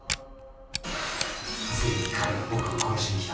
ついに彼が僕を殺しに来た。